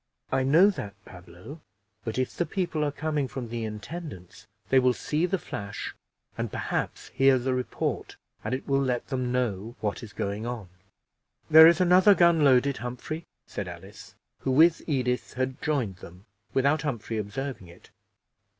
"I know that, Pablo; but if the people are coming from the intendant's, they will see the flash and perhaps hear the report, and it will let them know what is going on." "There is another gun loaded, Humphrey," said Alice, who with Edith had joined them without Humphrey observing it.